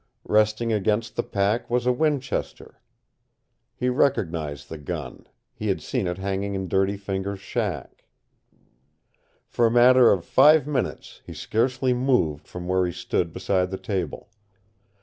Resting against the pack was a Winchester. He recognized the gun. He had seen it hanging in Dirty Fingers' shack. For a matter of five minutes he scarcely moved from where he stood beside the table.